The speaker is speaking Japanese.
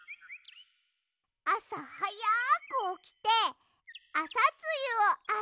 あさはやくおきてアサツユをあげるの。